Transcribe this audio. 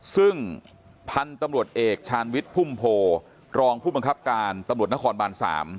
ซึ่งพันธุ์ตำรวจเอกชาญวิทย์พุ่มโพรองผู้บังคับการตำรวจนครบาน๓